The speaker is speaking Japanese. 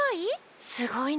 すごい？